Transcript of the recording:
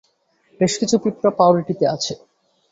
বেশ কিছু পিঁপড়া পাউরুটিতে আছে।